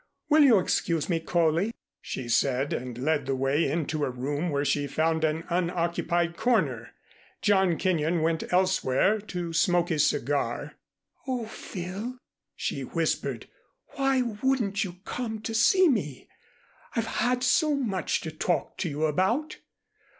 Will you excuse me, Coley?" she said, and led the way into a room where she found an unoccupied corner. John Kenyon went elsewhere to smoke his cigar. "Oh, Phil!" she whispered. "Why wouldn't you come to see me? I've had so much to talk to you about."